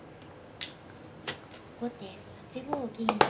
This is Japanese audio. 後手８五銀引。